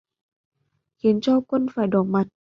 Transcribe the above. Khiến cho quân phải đỏ mặt